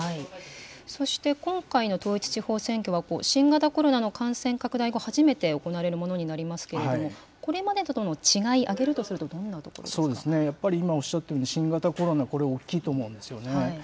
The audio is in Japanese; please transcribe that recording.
そして今回の統一地方選挙は、新型コロナの感染拡大後、初めて行われるものになりますけれども、これまでとの違い、挙げるとするやっぱり今おっしゃったように、新型コロナ、これ大きいと思うんですよね。